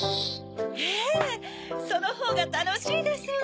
ええそのほうがたのしいですわ。